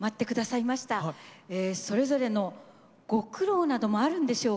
それぞれのご苦労などもあるんでしょうか？